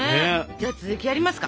じゃあ続きやりますか。